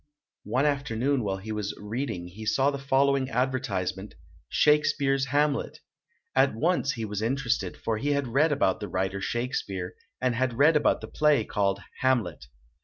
One afternoon while he was reading, he saw the following advertisement, "Shakespeare's Ham let" ! At once he was interested, for he had read about the writer Shakespeare and had read the play called "Hamlet".